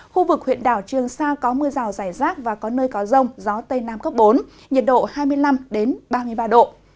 khu vực huyện đảo trường sa có mưa rào rải rác và có nơi có rông gió tây nam cấp bốn nhiệt độ hai mươi năm ba mươi ba độ